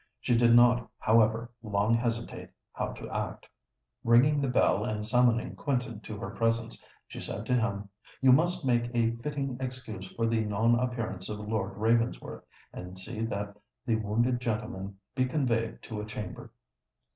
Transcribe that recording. She did not, however, long hesitate how to act. Ringing the bell, and summoning Quentin to her presence, she said to him, "You must make a fitting excuse for the non appearance of Lord Ravensworth, and see that the wounded gentleman be conveyed to a chamber.